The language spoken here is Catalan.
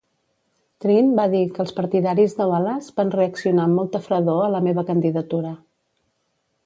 Treen va dir que els partidaris de Wallace van reaccionar amb molta fredor a la meva candidatura.